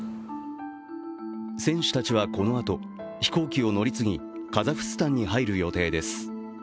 選手たちはこのあと、飛行機を乗り継ぎカザフスタンに入る予定です。